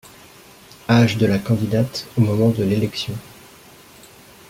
Âge de la candidate au moment de l’élection.